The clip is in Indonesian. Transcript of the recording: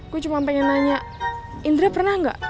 gue cuma pengen nanya indra pernah nggak